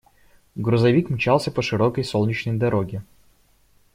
Грузовик мчался по широкой солнечной дороге.